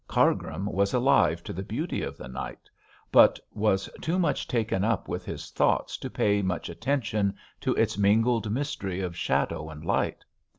Cargrim was alive to the beauty of the night, but was too much taken up with his thoughts to pay much attention to its mingled mystery of shadow and light.